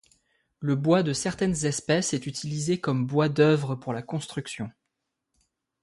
Le bois de certaines espèces est utilisé comme bois d'œuvre pour la construction.